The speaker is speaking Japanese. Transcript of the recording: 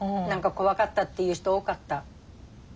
何か怖かったっていう人多かった。